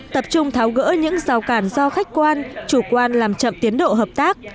tập trung tháo gỡ những rào cản do khách quan chủ quan làm chậm tiến độ hợp tác